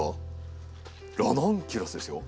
ラナンキュラスですよ。